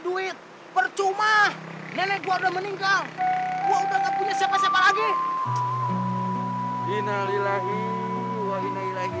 gue udah gak punya siapa siapa lagi